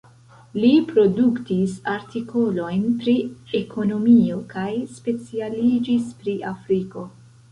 Li produktis artikolojn pri ekonomio kaj specialiĝis pri Afriko.